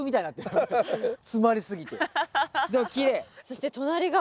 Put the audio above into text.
そして隣が。